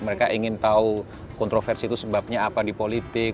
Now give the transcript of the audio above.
mereka ingin tahu kontroversi itu sebabnya apa di politik